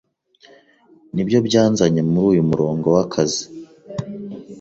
Nibyo byanzanye muri uyu murongo w'akazi.